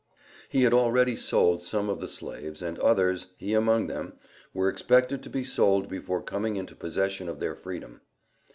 He had already sold some of the slaves, and others he among them were expecting to be sold before coming into possession of their freedom.